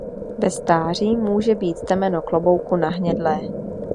Ve stáří může být temeno klobouku nahnědlé.